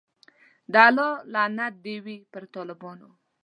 د الله لعنت دی وی په ټالبانو